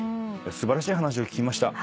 素晴らしい話を聞きました。